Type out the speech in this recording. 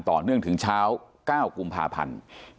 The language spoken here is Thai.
ต่อเนื่องถึงเช้า๙กุมภาพันธ์